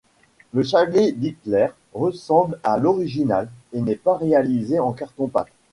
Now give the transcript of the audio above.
Le chalet d'Hitler ressemble à l'original et n'est pas réalisé en carton-pâte.